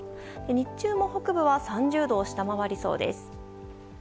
日中も北部は３０度を下回りそうです。